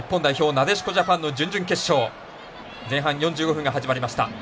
なでしこジャパンの準々決勝前半４５分が始まりました。